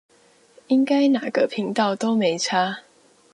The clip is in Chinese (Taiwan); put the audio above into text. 應該哪個頻道都沒差